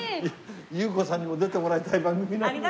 ゆう子さんにも出てもらいたい番組なんです。